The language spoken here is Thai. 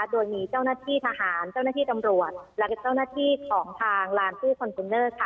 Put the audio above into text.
โดยมีเจ้าหน้าที่ทหารเจ้าหน้าที่ตำรวจและเจ้าหน้าที่ของทางลานตู้คอนเทนเนอร์ค่ะ